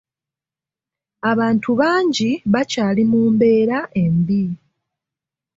Abantu bangi bakyali mu mbeera embi.